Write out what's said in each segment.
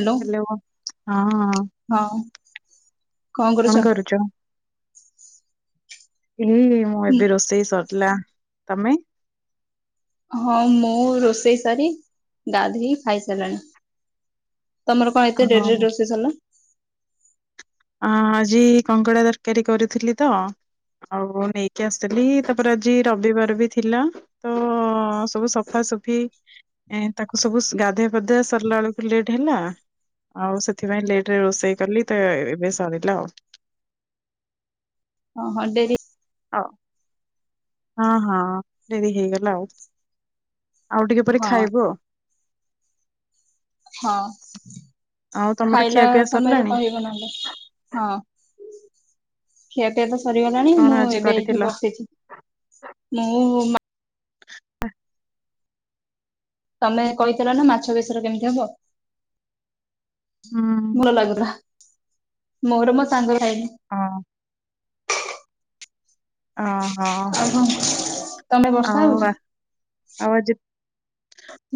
Hello hello ହଁ। ହଁ। କଣ କରୁଛ? ହୁଁ ହୁଁ ମୁଁ ଏବେ ରୋଷେଇ ସରିଲା ତମେ। ହଁ ମୁଁ ରୋଷେଇ ସାରି ଗାଧୋଇ ଖାଇ ସାରିଲଣି। ତମର କଣ ଏତେ ଡେରି ରେ ହଁ। ରୋଷେଇ ସରିଲା। ଅ ଆଜି କଙ୍କଡ଼ା ତରକାରୀ କରିଥିଲି ତ ଆଉ ନେଇକି ଆସିଥିଲି ତାପରେ ଆଜି ରବିବାର ବି ଥିଲା। ତ ସବୁ ସଫାସଫି। ଏଁ ତାକୁ ସବୁ ଗାଧୁଆ ପାଧୁଆ ସରିଲା ବେଳକୁ ଲେଟ୍ ହେଲା। ଆଉ ସେଥିପାଇଁ ଲେଟରେ ରୋଷେଇ କଲି ତ ଏବେ ସରିଲା ଆଉ। ଓଁ ହଁ ଡେରି ହଉ ହଁ ହଁ ଡେରି ହେଇଗଲା ଆଉ ଆଉ ଟିକେ ପରେ ହଁ ଖାଇବୁ ଆଉ। ହଁ ଆଉ ତମର ଖାଇଲା ଖିଆପିଆ ସମୟରେ ସରିଲାଣି କହିବ ନହେଲେ। ହଁ ଖିଆ ପିଆ ତ ସରିଗଲାଣି କଣ ମୁଁ ଆଜି ଏବେ କରିଥିଲ? ଏଇଠି ବସିଛି। ମୁଁ ଆଉ ମା ତମେ କହିଥିଲ ନା ମାଛ ବେସର କେମିତି ହବ? ହୁଁ ଭଲ ଲାଗିଲା ମୋର ମୋ ସାଙ୍ଗର ଖାଇଲୁ। ହଁ। ଅ ହୋ ଆଉ କଣ ତମେ ବର୍ଷା ଆଉ ହଉଛି? ଆଜି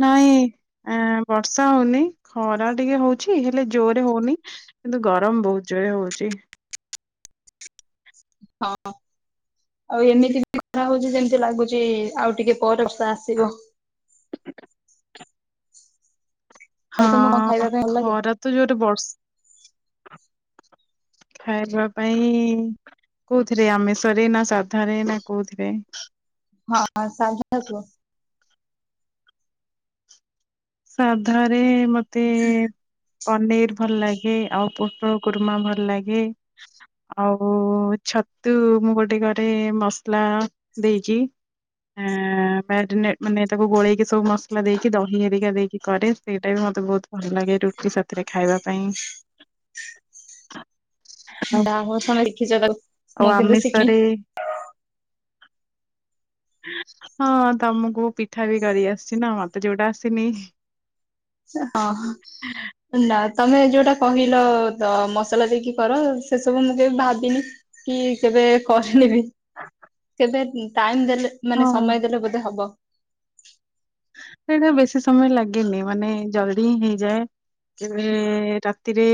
ନାଇଁ। ଆ ବର୍ଷା ହଉନି ଖରା ଟିକେ ହଉଛି ହେଲେ ଜୋରେ ହଉନି କିନ୍ତୁ ଗରମ ବହୁତ ଜୋରେ ହଉଛି। ହଁ। ଆଉ ଏମିତି ବି ଖରା ହଉଛି ଯେମିତି ଲାଗୁଛି ଆଉ ଟିକେ ପରସ ଆସିବ। ଆଉ ତମକୁ କଣ ହଁ ଖାଇବା ପାଇଁ ଭଲ ଲାଗେ? ଖରା ତ ଜୋରେ ବର୍ଷ [inaudible] ଖାଇବା ପାଇଁ କୋଉଥିରେ ଆମିଷରେ ନା ସାଧ ନା କୋଉଥିରେ ହଁ ସାଧା କୁହ। ସାଧାରେ ମତେ ପନିର ଭଲ ଲାଗେ ଆଉ ପଟଳ ଖୁରୁମା ଭଲ ଲାଗେ। ଆଉ ଛତୁ ମୁଁ ଗୋଟେ ଘରେ ମସଲା ଦେଇଛିି। ଆଁ ମାନେ ତାକୁ ଗୋଳେଇକି ସବୁ ମସଲା ଦେଇକି ଦହି ଦେଇକି ଦେଇକି କରେ ସେଇଟା ବି ମତେ ବହୁତ ଭଲ ଲାଗେ ରୁଟି ସାଥିରେ ଖାଇବା ପାଇଁ। ଯା ହେଉ ତମେ ତାକୁ ଦେଇଛି। ଆଉ ଆମିଷରେ ହଁ ତମକୁ ପିଠା ବି କରି ଆସିଛି ନା ମତେ ଯୋଉଟା ଆସିନି। ହଁ ହଁ। ନା ତମେ ଯୋଉଟା କହିଲ ମସଲା ଦେଇକି କର ସେସବୁ ମୁଁ କେବେ ଭାବିନି। କି କେବେ କହିନେବି। ଏ ଟାଇମ ଦେଲେ ମାନେ ହଁ। ସମୟ ଦେଲେ ବୋଧେ ହବ। ସେଇଟା ବେଶୀ ସମୟ ଲାଗେନି ମାନେ ଜଲଦି ହିଁ ହେଇଯାଏ। କେବ ରାତିରେ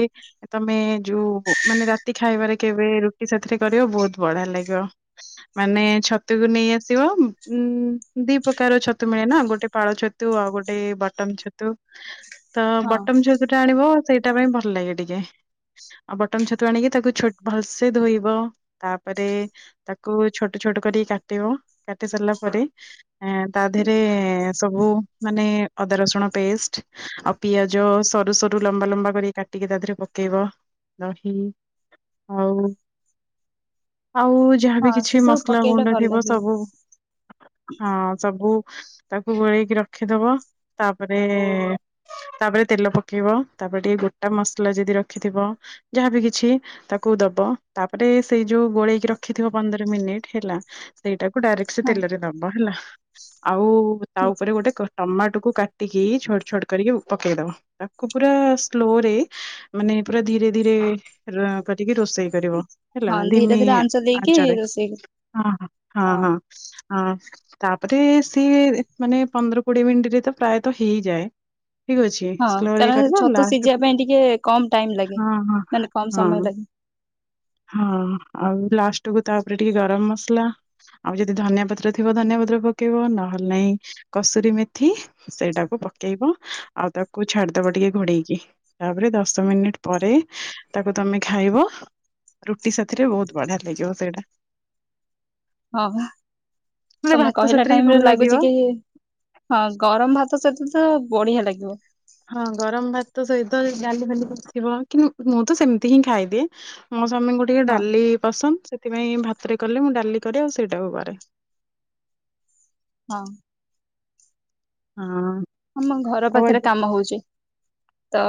ତମେ ଯୋଉ ମାନେ ରାତି ଖାଇବାରେ କେବେ ରୁଟି ସେଥିରେ କରିବ ବହୁତ ବଢିଆ ଲାଗିବ। ମାନେ ଛତୁକୁ ନେଇ ଆସିବ ଉଁ ଦି ପ୍ରକାର ଛତୁ ମିଳେ ନା ଗୋଟେ ପାଳ ଛତୁ ଆଉ ଗୋଟେ ବଟମ ଛତୁ ତ ହଁ ବଟମ ଛତୁ ଆଣିବ ସେଇଟା ପାଇଁ ଭଲ ଲାଗେ ଟିକେ। ବଟନ ଛତୁ ଆଣିକି ତାକୁ ଛୋଟ ଭଲସେ ଧୋଇବ ତାପରେ ତାକୁ ଛୋଟ ଛୋଟ କର କାଟିବ କାଟି ସାରିଲା ପରେ ଏ ତା ଦେହରେ ସବୁ ମାନେ ଅଦା ରସୁଣ ପେଷ୍ଟ ଆଉ ପିଆଜ ସରୁ ସରୁ ଲମ୍ବା ଲମ୍ବା କରି କାଟି ଟିକେ ତା ଦେହରେ ପକେଇବ ଦହି ଆଉ ଆଉ ଯାହାବି ହଁ ସେ କିଛି ସବୁ ମସଲା ପକେଇଲେ ଗୁଣ୍ଡ ଭଲ ଥିବ ଲାଗିବ ସବୁ। ହଁ ସବୁ ତାକୁ ଗୋଳେଇକି ରଖିଦେବା ତାପରେ ତାପରେ ତେଲ ପକେଇବ ତାପରେ ଟିକେ ଗୋଟିଏ ମସଲା ଯଦି ରଖିଥିବ ଯାହାବି କିଛି ତାକୁ ଦେବ ତାପରେ ସେଇ ଯୋଉ ଗୋଳେଇକି ରଖିଥିବ ପନ୍ଦର ମିନିଟ୍ ହେଲା ସେଇଟାକୁ ଡାଇରେକ୍ଟ ସେ ହଁ। ତେଲରେ ଦେବା ହେଲା ଆଉ ତା ଉପରେ ଗୋଟେ ଟମାଟୋ କାଟିକି ଛୋଟ ଛୋଟ କରିକି ପକେଇ ଦେବ ତାକୁ ପୁରା ସ୍ଲୋ ରେ ମାନେ ପୁରା ଧୀରେ ଧୀରେ କାଟିକି ରୋଷେଇ କରିବା ହେଲା ହଁ ଧୀରେ ଧିମି ଧୀରେ ଆଞ୍ଚ ଦେଇକି ଆଞ୍ଚରେ ରୋଷେଇ କର। ହଁ - ହଁ ଅ ତାପରେ ସିଏ ମାନେ ପନ୍ଦର କୋଡିଏ ମିନିଟ୍ ଯାହତୁ ପ୍ରାୟତ ହେଇଯାଏ। ଠିକ ଅଛି ହଁ ସ୍ଲୋ କାରଣ କାଟିବା ଛତୁ ସିଝିବା ଲାଷ୍ଟକୁ ପାଇଁ ଟିକେ କମ ଟାଇମ [inaudible] ଲାଗେ ହଁ -ହ ମାନେ କମ ସମୟ -ହଁ। ଲାଗେ ହଁ ଆଉ ଲାଷ୍ଟ କୁ ତାପରେ ଟିକେ ଗରମ ମସଲା ଆଉ ଯଦି ଧନିଆ ପତ୍ର ଥିବ ଧନିଆ ପତ୍ର ପକେଇବ ନହେଲେ ନାଇଁ କସୁରୀ ମେଥି। ସେଇଟାକୁ ପକେଇବ ଆଉ ତାକୁ ଛାଡିଦେବ ଟିକେ ଘୋଡେଇକି। ତାପରେ ଦଶ ମିନିଟ୍ ପରେ ତାକୁ ତମେ ଖାଇବ ରୁଟି ସାଥିରେ ବହୁତ ବଢି ଲାଗିବ ସେଇଟା ହଁ ନହେଲେ ତମେ ଭାତ କହିଲା ସାଥିରେ ବି ଭଲ ଟାଇମରେ ଲାଗିବ ଲାଗୁଚି କି ହଁ ଗରମ ଭାତ ସହିତତ ବଢିଆ ଲାଗିବ। ହଁ ଗରମ ଭାତ ସହିତ ଡାଲି ଫାଲି କିଛିଥିବ କିନ୍ତୁ ମୁଁ ତ ସେମିତି ହିଁ ଖାଇଦିଏ ମୋ ସ୍ଵାମୀଙ୍କୁ ଟିକେ ହଁ ଡାଲି ପସନ୍ଦ ସେଥିପାଇଁ ଭାତରେ କଲେ ମୁଁ ଡାଲି କରେ ଆଉ ସେଇଟାକୁ କରେ। ହଁ। ହଁ। ଆମ ଘର ଆଉ ପାଖରେ ଆଜି କାମ ହଉଚି ତ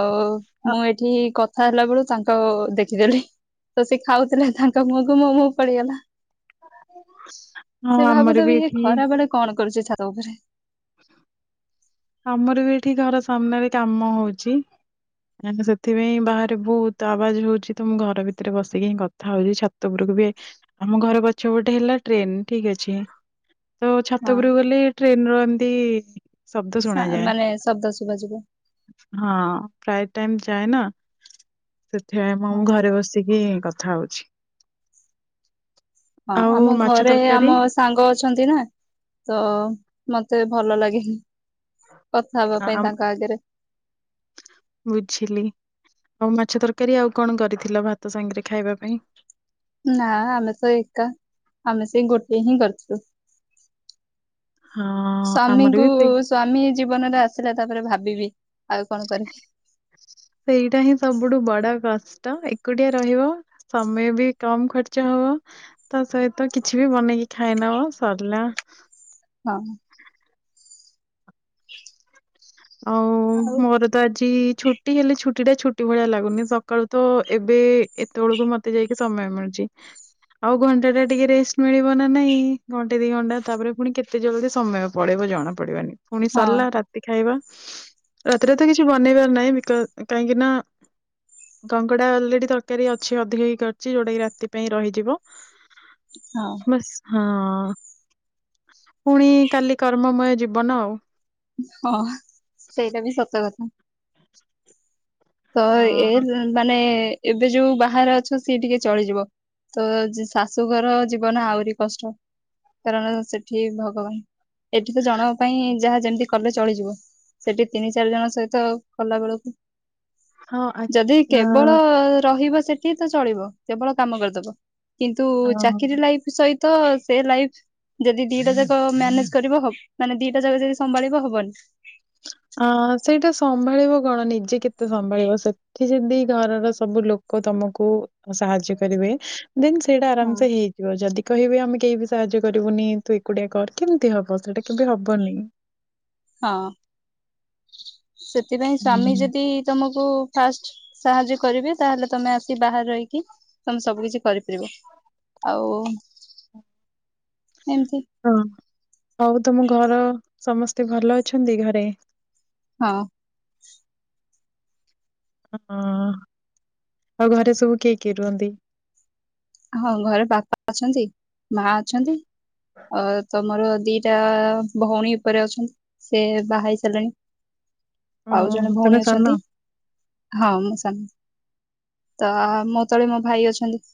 ଆ ମୁଁ ଏଠି କ ଥା ହେଲାବେଳୁ ତାଙ୍କ ଦେଖିଦେଲି ତ ସେ ଖାଉଥିଲେ ତାଙ୍କ ମୁଁହ କୁୁ ମୋ ମୁଁହ ପଡିଗଲା ହଁ ସେ ଆମର ବି ଭାବୁଥିବେ ଇଏ ଏଠି ଖରାବେଳେ କଣ କରୁଚି ଛାତ ଉପରେ। ଆମର ବି ଏଠି ଘର ସାମ୍ନାରେ କାମ ହଉଚି। ଆମେ ସେଥିପାଇଁ ବାହାରେ ବହୁତ ଆବାଜ ହଉଛି ତ ମୁଁ ଘର ଭିତରେ ବସିକି ହିଁ କଥା ହଉଛି ଛା [unintelligible] କୁ ବି ଆମ ଘର ପଛ ଗୋଟେ ହେଲା ଟ୍ରେନ ଠିକ ଅଛି ତ ହଁ ଛାତଉପୁରକୁ ଗଲେ ଟ୍ରେନ ର ଏମିତି ଶବ୍ଦ ଶୁଣାଯାଏ। ମାନେ ଶବ୍ଦ ଶୁଭାଯିବ ହଁ ପ୍ରାୟ ଟାଇମ ଯାଏନା ସେଥିପାଇଁ ମୁ ହଁ ଘରେ ବସିକି କ ଥା ହଉଛି। ହଁ ଆଉ ଆମ ମାଛ ଘରେ ତରକାରୀ ଆମ ସ ସାଙ୍ଗ ଅଛନ୍ତି ନା ତ ମତେ ଭଲ ଲାଗେନି। କଥା ହବା ଆ ପାଇଁ ଆମ୍- ତାଙ୍କ ଆଗରେ। ବୁଝିଲି। ଆଉ ମାଛ ତରକାରୀ ଆଉ କଣ କରିଥିଲ ଭାତ ସାଙ୍ଗରେ ଖାଇବା ପାଇଁ? ନା ଆମେ ତ ଏକା ଆମେ ସେ ଗୋଟେ ହିଁ କରିଥିଲୁ। ହଁ ଆମର ସ୍ଵାମୀଙ୍କୁ ବି ସେଇ ସ୍ଵାମୀ ଜୀବନରେ ଆସିଲା ତାପରେ ଭାବିବି ଆଉ କଣ କରିବି। ସେଇଟା ହିଁ ସବୁଠୁ ବଡ କଷ୍ଟ ଏକୁଟିଆ ରହିବ ସମୟ ବି କମ ଖର୍ଚ୍ଚ ହବ ତା ସହିତ କିଛି ବି ବନେଇକି ଖାଇ ନବ ସରିଲା। ହଁ। [inaudible] ଆଉ ମୋର ତ ଆଜି ଛୁଟି ହେଲେ ଛୁଟି ଟା ଛୁଟି ଭଳିଆ ଲାଗୁନି ସକାଳୁ ତ ଏବେ ଏତେବେଳକୁ ମତେ ଯାଇକି ସମୟ ମିଳୁଚି। ଆଉ ଘଣ୍ଟା ଟା ଟିକେ ରେଷ୍ଟ ମିଳିବ ନା ନାଇଁ ଘଣ୍ଟେ ଦି ଘଣ୍ଟା ତାପରେ ପୁଣି କେ ଏତେ ଜଲଦି ସମୟ ପଳେଇବ ଜଣା ପଡିବନି ପୁଣି ହଁ ସରିଲା ରାତି ଖାଇବା ରାତିରେ ତ କିଛି ବନେଇବାର ନାହିଁ ବିକ କାହିଁକି ନା କଙ୍କଡା ଅଲରେଡ଼ି ତରକାରୀ ଅଛି ଅଧିକ ହେଇକି ଅଛି ଯୋଉଟା କିି ରାତି ପାଇଁ ରହିଯିବ [unintelligible] ହଁ ହଁ। ପୁଣି କାଲି କର୍ମମୟ ଜୀବନ ଆଉ। ହଁ ସେଇଟା ବି ସତ କଥା। ତ ହଁ ଏ ମାନେ ଏବେ ଯୋଉ ବାହାରେ ଅଛ ସିଏ ଟିକେ ଚଳିଯିବ ତ ଶାଶୁଘର ଜୀବନ ଆହୁରି କଷ୍ଟ କାରଣ ସେଠି ଭଗବାନ ଏଠି ତ ଜଣ ପାଇଁ ଯାହା ଯେମିତି କଲେ ଚଳିଯିବ। ସେଠି ତିନି ଚାରି ଜଣ ସହିତ କଲା ବେଳକୁ ହଁ ଆ ଯଦି ଆ- କେବଳ ଅ ରହିବ ସେଠି ତ ଚଳିବ କେବଳ କାମ କରିଦବ କିନ୍ତୁ ହଁ ଚାକିରୀ ଲାଇଫ ସହିତ ସେ ଲାଇଫ ଯଦି ଦିଟା ଯାକ ମ୍ୟାନେଜ କରିବ ହବ ମାନେ ଦିଟା ଯାକ ଯଦି ସମ୍ଭାଳିବ ହବନି। ଆ ସେଇଟା ସମ୍ଭାଳିବ କଣ ନିଜେ କେତେ ସମ୍ଭାଳିବ? ସେ ଠି ଯଦି ଘରର ସବୁ ଲୋକ ତମକୁ ସାହାଯ୍ୟ କରିବେ ଦେନ୍ ସେଇଟା ହଁ ଆରାମ ସେ ହେଇଯି ଯଦି କହିବେ ଆମେ କେହି ବି ସାହାଯ୍ୟ କରିବୁନି ତୁ ଏକୁଟିଆ କର କେମିତି ହବ? ସେଇଟା କେବେ ହବନି। ହଁ। ସେଥିପାଇଁ ହୁଁ। ସ୍ଵାମୀ ଯଦି ତମକୁ ଫାଷ୍ଟ ସାହାଯ୍ୟ କରିବେ, ତାହେଲେ ତମେ ଆସି ବାହାରେ ରହିକି ତମେ ସବୁ କିଛି କରିପାରିବଷ ଆଉ ଏମିତି ହଁ ଆଉ ତମ ଘର ସମସ୍ତେ ଭଲ ଅଛନ୍ତି ଘରେ? ହଁ। ହଁ। ଆଉ ଘରେ ସବୁ କିଏ କିଏ ରୁହନ୍ତି? ହଁ ଘରେ ବାପା ଅଛନ୍ତି, ମା ଅଛନ୍ତି, ଆ ତମର ଦି ଟା ଭଉଣୀ ଉପରେ ଅଛନ୍ତି। ସେ ବାହାର ହେଇ ସାରିଲେଣି। ଆଉ ଜଣେ ହଁ ତମେ ଭଉଣୀ ସାନ ଅଛନ୍ତି। ହଁ ମୁଁ ସାନ। ତ ମୋ ତଳେ ମୋ ଭାଇ ଅଛନ୍ତି।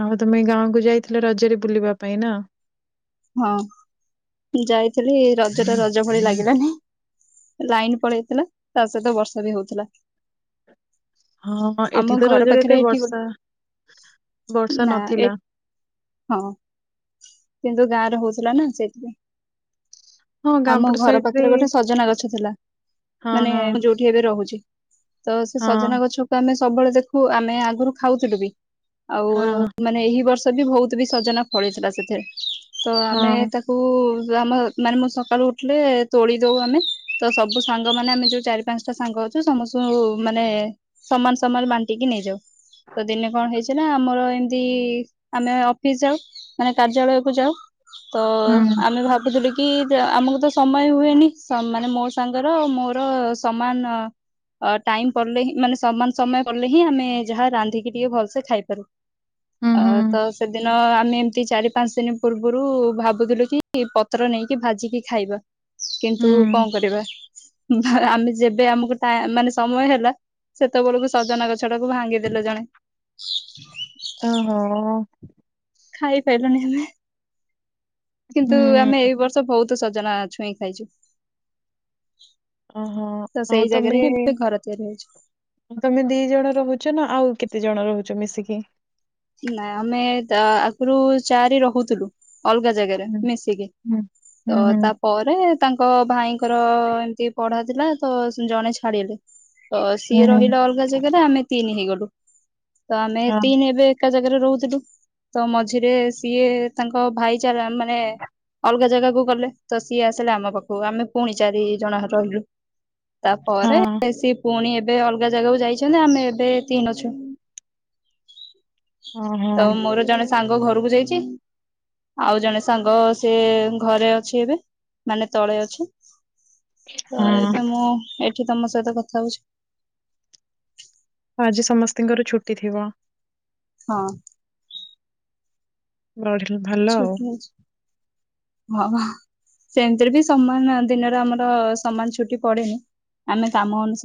ଆଉ ତମେ ଗାଁକୁ ଯାଇଥିଲ ରଜରେ ବୁଲିବା ପାଇଁ ନା? ହଁ ମୁ ଯାଇଥିଲି ରଜ ଟା ରଜ ଭଳି ଲାଗିଲାନି। ଲାଇନ୍ ପଳେଇଥିଲା ତା ସହିତ ବର୍ଷା ବି ହଉଥିଲା। [inaudible] ହଁ ହଁ ଏଠି ଆମ ତ ଘର ରଜରେ ଏତେ ପାଖରେ ଏଠି ଗୋ ବର୍ଷା, ବର୍ଷା ନା ଏ ନଥିଲା। ହଁ। କିନ୍ତୁ ଗାଁ ରେ ହଉଥିଲା ନା ସେଇଥିପାଇଁ। ହଁ ଗାଁ ଆମ ପଟ ଘର ସାଇଡ ରେ ପାଖରେ ଗୋଟେ ସଜନା ଗଛ ଥିଲା। ହଁ ମାନେ ହଁ ଯୋଉଠି ଏବେ ରହୁଛି। ତ ସେ ହଁ। ସଜନା ଗଛ ତ ଆମେ ସବୁବେଳେ ଦେଖୁ ଆମେ ଆଗରୁ ଖାଉଥିଲୁ ବି। ଆଉ ମାନେ ଏହି ବର୍ଷ ବି ବହୁତ ବି ସଜନା ଫଳିଥିଲା ସେଥିରେ। ତ ଆମେ ତା କୁ ଆମ ମାନେ ମୁଁ ସକାଳୁ ଉଠିଲେ ତୋଳି ଦଉ ଆମେ ତ ସବୁ ସାଙ୍ଗମାନେ ଆମେ ଯୋଉ ଚାରି ପା ପାଞ୍ଚଟା ସାଙ୍ଗ ଅଛୁ ସମସ୍ତଙ୍କୁ ମାନେ ସମାନ୍ ସମାନ୍ ବାଣ୍ଟିକି ନେଇଯାଉ। ତ ଦିନେ କଣ ହେଇଛି? ନା ଆମର ଏମତି ଆମେ ଅଫିସ୍ ଯାଉ, ମାନେ କାର୍ଯ୍ୟାଳୟକୁ ଯାଉ। ତ ଆମେ ଭାବୁଥିଲୁ କି ଆମକୁ ତ ସମୟ ହୁଏନି। ସ ମାନେ ମୋ ସାଙ୍ଗର ମୋର ସମାନ ଅ ଟାଇମ୍ ପଡଲେ ହିଁ ମାନେ ସମାନ ସମୟ ପଡ଼ଲେ ହିଁ ଆମେ ଯାହା ରାନ୍ଧିକି ଟିକେ ଭଲସେ ଖାଇପାରୁ। ଅ ତ ସେଦିନ ଆମେ ଏମତି ଚାରି ପାଞ୍ଚ ଦିନ ପୂର୍ବରୁ ପୂର୍ବରୁ ଭାବୁଥିଲୁ କି ପତ୍ର ନେଇକି ଭାଜିକି ଖାଇବା। କିନ୍ତୁ କଣ କରିବା ଆମେ ଯେବେ ଆମକୁ ଟା ମାନେ ସମୟ ହେଲା ସେତେବେଳକୁ ସଜନା ଗଛ ଟାକୁ ଭାଙ୍ଗିଦେଲେ ଜଣେ। ଓହୋ। ଖାଇପାରଲୁଣିି ଆମେ ହୁଁ। କିନ୍ତୁ ଆମେ ଏଇ ବର୍ଷ ସ ବହୁତ ସଜନା ଛୁଇଁ ଖାଇଛୁ। ଅହୋ। ତ ଆଉ ସେଇ ତମେ ଜାଗାରେ ହିଁ ଏବେ ଘର ତିଆରି ହେଇଛି। ତମେ ଦି ଜଣ ରହୁଛ ନା ଆଉ କେତେ ଜଣ ରହୁଛ ମିଶିକି? ନାଇ ଆମେ ଆଗରୁ ଚାରି ରହୁଥିଲୁ। ଅଲଗା ଜାଗାରେ ହୁଁ, ମିଶିକି। ହୁଁ, ହୁଁ, ତ ହୁଁ, ତାପ ପରେ ତାଙ୍କ ଭାଇଙ୍କର ଏମିତି ପଢା ଥିଲା ତ ଜଣେ ଛାଡିଲେ। ତ ହୁଁ, ସିଏ ହଁ। ରହିଲେ ଅଲଗା ଜାଗାରେ ଆମେ ତିନି ହେଇଗଲୁ ତ ଆମେ ତିନି ଏବେ ଏକା ଜାଗାରେ ରହୁଥିଲୁ ତ ମଝିରେ ସିଏ ତାଙ୍କ ଭାଇଚାରା ମାନେ ଅଲଗା ଜାଗାକୁ ଗଲେ ତ ସିଏ ଆସିଲେ ଆମ ପାଖକୁ ଆମେ ପୁଣି ଚାରି ଜଣ ରହିଲୁ। ତାପରେ ହଁ। ସିଏ ପୁଣି ଏବେ ଅଲଗା ଜାଗାକୁ ଯାଇଛନ୍ତି ଆମେ ଏବେ ତିନି ଅଛୁ। ଓହୋ। ତ ହଁ। ମୋର ଜଣେ ସାଙ୍ଗ ଘରକୁ ଯାଇଛି ଆଉ ଜଣେ ସାଙ୍ଗ ସେ ଘରେ ଅଛି ଏବେ ମାନେ ତଳେ ଅଛି। ତ ଏବେ ହଁ। ମୁଁ ଏଠି ତମ ସହିତ କଥା ହଉଛି। ଆଜି ସମସ୍ତିଙ୍କର ଛୁଟି ଥିବ। ହଁ। ବଢିଆଭଲ। ଛୁଟି ନେଇଛି ହଁ। ସେମିତିରେ ବି ସମାନ ଦିନରେ ଆମର ସମାନ ଛୁଟି ପଡେନି ଆମେ କାମ ଅନୁସାରେ